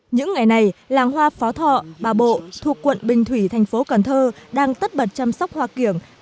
những ngày này làng hoa phó thọ bà bộ thuộc quận bình thủy thành phố cần thơ đang tất bật chăm sóc hoa kiểng